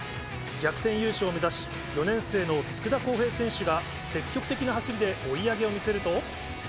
逆転優勝を目指し、４年生の佃康平選手が、積極的な走りで追い上げを見せると。